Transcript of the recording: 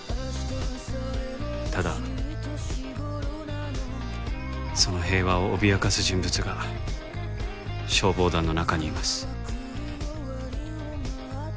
ただその平和を脅かす人物が消防団の中にいます。